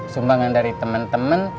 sumbangan dari temen temen